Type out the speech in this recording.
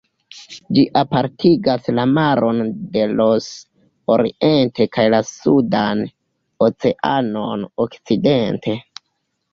Ĝi apartigas la maron de Ross oriente kaj la Sudan Oceanon okcidente.